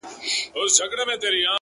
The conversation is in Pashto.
زما زنده گي وخوړه زې وخوړم،